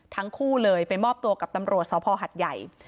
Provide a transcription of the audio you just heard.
ทั้งคู่เลยไปมอบตัวกับตำรวจสภหัดใหญ่